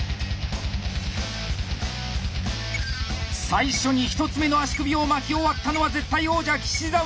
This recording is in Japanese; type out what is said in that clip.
最初に１つ目の足首を巻き終わったのは絶対王者岸澤。